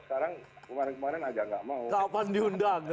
sekarang kemarin kemarin agak nggak mau